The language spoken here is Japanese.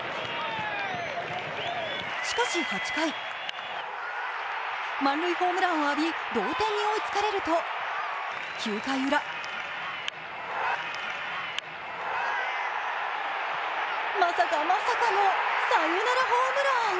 しかし８回、満塁ホームランを浴び、同点に追いつかれると９回ウラ、まさかまさかのサヨナラホームラン。